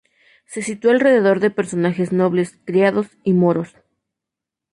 Se sitúa alrededor de personajes nobles, criados y moros.